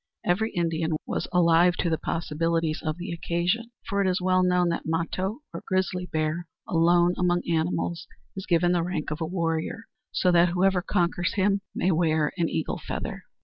Every Indian was alive to the possibilities of the occasion, for it is well known that Mato, or grizzly bear, alone among animals is given the rank of a warrior, so that whoever conquers him may wear an eagle feather.